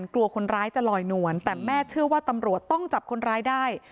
กลัวคนร้ายจะลอยนวลแต่แม่เชื่อว่าตำรวจต้องจับคนร้ายได้